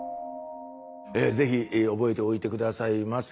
ぜひ覚えておいて下さいませ。